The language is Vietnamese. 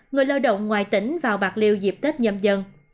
người lao động ngoài tỉnh vào bạc liêu dịp tết nhâm dần